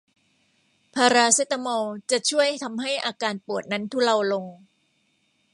พาราเซตามอลจะช่วยทำให้อาการปวดนั้นทุเลาลง